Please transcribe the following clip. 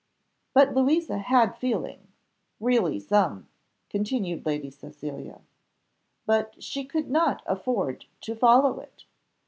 "But Louisa had feeling really some," continued Lady Cecilia; "but she could not afford to follow it.